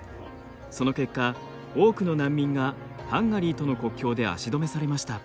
その結果多くの難民がハンガリーとの国境で足止めされました。